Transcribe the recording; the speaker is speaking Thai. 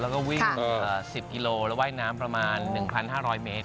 แล้วก็วิ่ง๑๐กิโลแล้วว่ายน้ำประมาณ๑๕๐๐เมตร